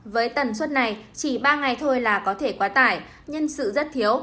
với tần suất này chỉ ba ngày thôi là có thể quá tải nhân sự rất thiếu